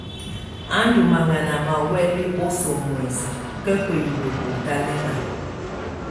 Á ndɔ́ maŋaná má huɛ̀lɛ́ oso muɛ̀sɛ káká hiwǝ́ kɔ́tálɛ́na.